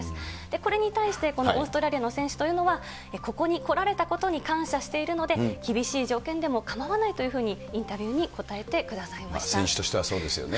これに対して、このオーストラリアの選手というのは、ここに来られたことに感謝しているので、厳しい条件でも構わないというふうにインタビューに答えてくださ選手としてはそうですよね。